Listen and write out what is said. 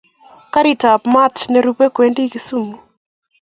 Garitab maat nerube kowendi kisumu